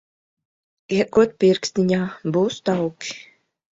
Iekod pirkstiņā, būs tauki.